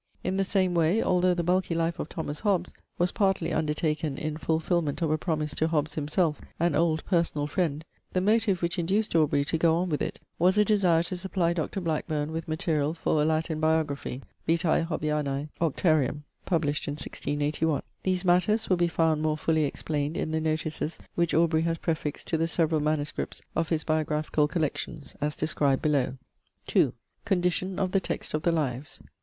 In the same way, although the bulky life of Thomas Hobbes was partly undertaken in fulfilment of a promise to Hobbes himself, an old personal friend, the motive which induced Aubrey to go on with it was a desire to supply Dr. Blackburne with material for a Latin biography, Vitae Hobbianae Auctarium, published in 1681. These matters will be found more fully explained in the notices which Aubrey has prefixed to the several MSS. of his biographical collections, as described below. II. CONDITION OF THE TEXT OF THE 'LIVES.'